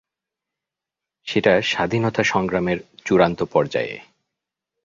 সেটা স্বাধীনতাসংগ্রামের চূড়ান্ত পর্যায়ে।